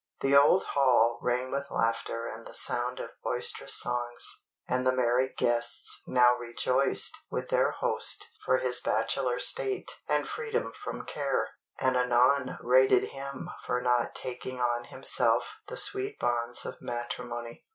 The old hall rang with laughter and the sound of boisterous songs; and the merry guests now rejoiced with their host for his bachelor state and freedom from care, and anon rated him for not taking on himself the sweet bonds of matrimony.